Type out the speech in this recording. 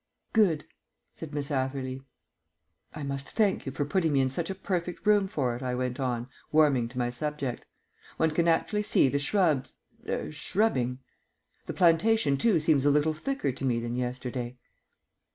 "Good," said Miss Atherley. "I must thank you for putting me in such a perfect room for it," I went on, warming to my subject. "One can actually see the shrubs er shrubbing. The plantation, too, seems a little thicker to me than yesterday."